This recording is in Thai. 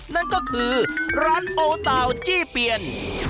นั่นก็คือร้านโอเต่าจี้เปียน